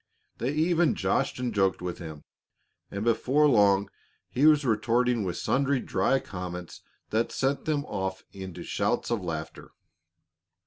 They even joshed and joked with him, and before long he was retorting with sundry dry comments that sent them off into shouts of laughter.